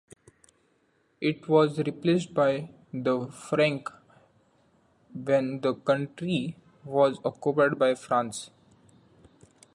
It was replaced by the franc when the country was occupied by France.